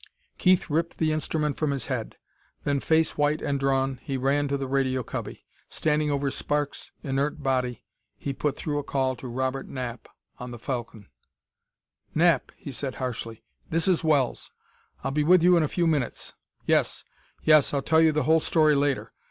Keith ripped the instrument from his head. Then, face white and drawn, he ran to the radio cubby. Standing over Sparks' inert body, he put through a call to Robert Knapp, on the Falcon. "Knapp?" he said harshly. "This is Wells. I'll be with you in a few minutes. Yes yes I'll tell you the whole story later.